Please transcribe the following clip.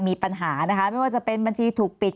มีปัญหานะคะไม่ว่าจะเป็นบัญชีถูกปิด